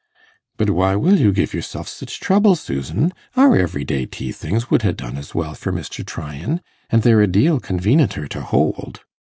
'But why will you give yourself sich trouble, Susan? Our everyday tea things would ha' done as well for Mr. Tryan, an' they're a deal convenenter to hold.